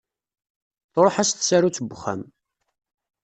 Truḥ-as tsarut n uxxam.